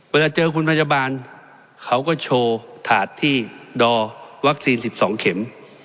เวลาเจอคุณพยาบาลเขาก็โชว์ถาดที่ดอวัคซีน๑๒เข็ม